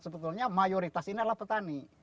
sebetulnya mayoritas ini adalah petani